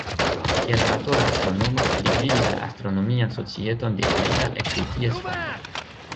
Kiel amatora astronomo, li gvidis la Astronomian Societon de Oita ekde ties fondo.